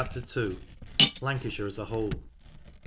Lancashire as a whole.